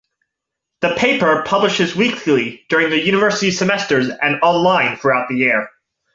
The paper publishes weekly during the university semesters and online throughout the year.